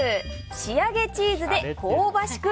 仕上げチーズで香ばしく